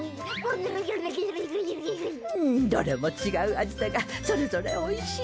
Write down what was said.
どれも違う味だがそれぞれおいしい。